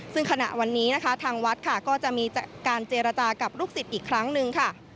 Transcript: ซึ่งขณะวันนี้นะคะทางวัดค่ะก็จะมีการเจรจากับลูกศิษย์อีกครั้งหนึ่งค่ะ